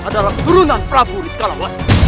kamu adalah keturunan prabu nisqalawastu